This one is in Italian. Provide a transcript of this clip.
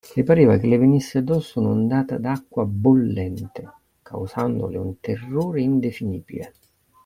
Le pareva che le venisse addosso un'ondata d'acqua bollente, causandole un terrore indefinibile.